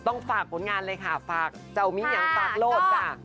อ๋อต้องฝากผลงานเลยค่ะฝากเจ้ามิหยังฝากโลดค่ะ